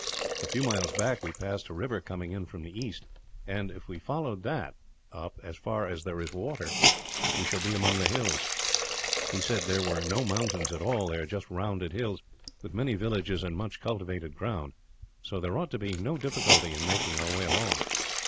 "A few miles back we passed a river coming in from the east and, if we follow that up as far as there is water, we shall be among the hills. He said that there were no mountains at all, there; but just rounded hills, with many villages and much cultivated ground, so there ought to be no difficulty in making our way along.